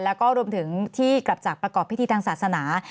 แล้วก็รวมถึงที่กลับจากประกอบพิธีทางศาสนา